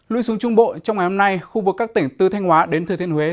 lưu xuống trung bộ trong ngày hôm nay khu vực các tỉnh tư thanh hóa đến thừa thiên huế